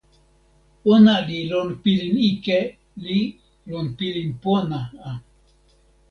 ona li lon pilin ike li lon pilin pona a.